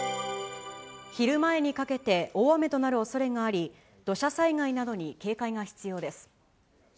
昼前にかけて大雨となるおそれがあり、土砂災害などに警戒が必要です。